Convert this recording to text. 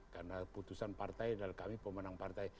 karena putusan partai dan kami pemenang partai